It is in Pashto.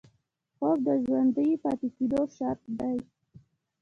خوب د ژوندي پاتې کېدو شرط دی